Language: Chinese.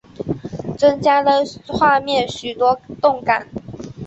增加了画面许多动感